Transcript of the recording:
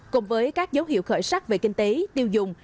cùng với các dấu hiệu khởi sắc về kinh tế tiêu dùng